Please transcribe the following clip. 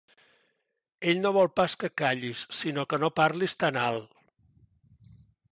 Ell no vol pas que callis, sinó que no parlis tan alt.